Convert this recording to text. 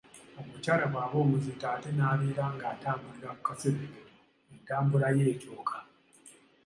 Omukyala bw’aba omuzito ate n’abeera ng’atambulira ku kaserengeto, entambula ye ekyuka.